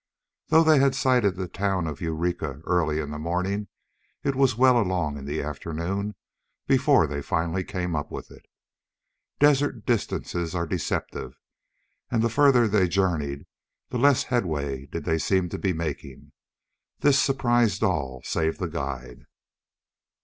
Though they had sighted the town of Eureka early in the morning, it was well along in the afternoon before they finally came up with it. Desert distances are deceptive and the further they journeyed the less headway did they seem to be making. This surprised all save the guide.